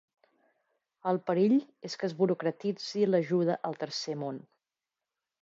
El perill és que es burocratitzi l'ajuda al Tercer Món.